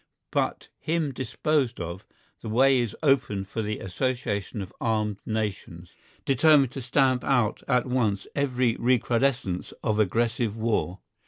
But him disposed of, the way is open for the association of armed nations, determined to stamp out at once every recrudescence of aggressive war.